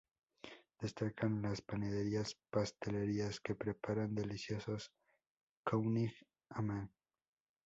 Destacan las panaderías-pastelerías que preparan deliciosos kouing-Amann.